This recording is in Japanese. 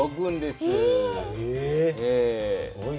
すごいね。